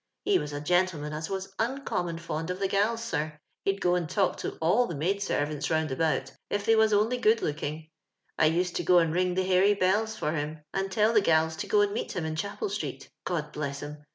He was a gentleman as was uncommon fond of the gals, sir. Hed go and t.ilk to all ibe mnid servants round abtmt, if they was only good bioking. I used to go and ring the hairy bells for him, and tell the gals to go and meet him in Chapel street, God bless him!